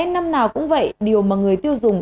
năm nào cũng vậy điều mà người tiêu dùng